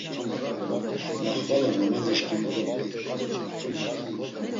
Ma, xvala namazişǩimi dop̌i.